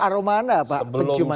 aroma anda pak penciuman